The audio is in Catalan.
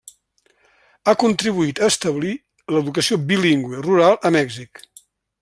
Ha contribuït a establir l'educació bilingüe rural a Mèxic.